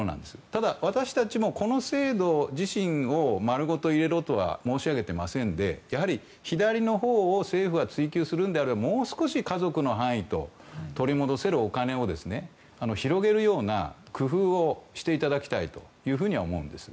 ただ、私たちもこの制度自身を丸ごと入れろとは申し上げてませんでやはり左のほうを政府は追及するのであればもう少し家族の範囲と、取り戻せるお金を広げるような工夫をしていただきたと思うんです。